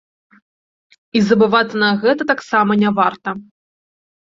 І забывацца на гэта таксама не варта.